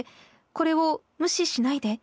これを無視しないで。